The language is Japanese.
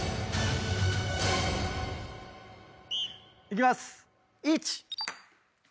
いきます。